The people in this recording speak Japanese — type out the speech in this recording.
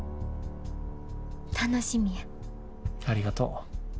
ありがとう。